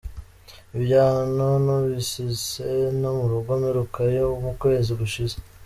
ibyahano ntubizise no murugo mperukayo mukwezi gushize.